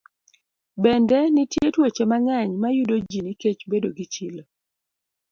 Bende, nitie tuoche mang'eny ma yudo ji nikech bedo gi chilo.